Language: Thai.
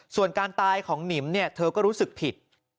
ส่วนการตายของหนิมเนี่ยเธอก็รู้สึกผิด